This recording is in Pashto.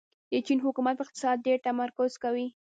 د چین حکومت په اقتصاد ډېر تمرکز کوي.